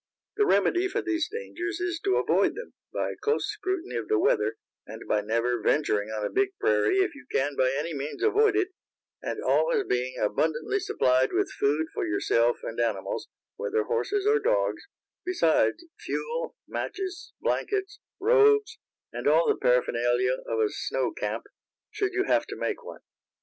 The remedy for these dangers is to avoid them by a close scrutiny of the weather, and by never venturing on a big prairie if you can by any means avoid it, and always being abundantly supplied with food for yourself and animals, whether horses or dogs, besides fuel, matches, blankets, robes, and all the paraphernalia of a snow camp, should you have to make one.